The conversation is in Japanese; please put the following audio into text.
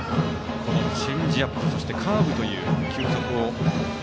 チェンジアップそしてカーブという球速。